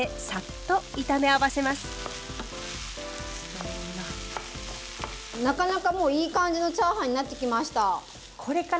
パラパラになったらなかなかもういい感じのチャーハンになってきました。